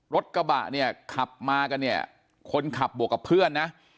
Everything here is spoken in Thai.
รถกระบะเนี่ยขับมากันเนี่ยคนขับบวกกับเพื่อนนะ